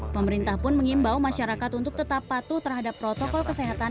pemerintah pun mengimbau masyarakat untuk tetap patuh terhadap protokol kesehatan